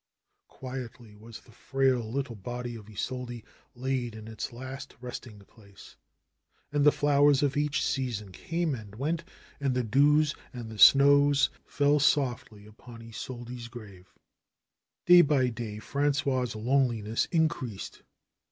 Quietly was the frail little body of Isolde laid in its last resting place. And the flowers of each season came and went, and the dews, and the snows fell softly upon Isolde's grave. Day by day Frangois' loneliness increased.